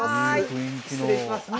失礼します。